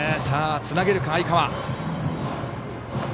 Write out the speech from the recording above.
さあ、つなげるか相川。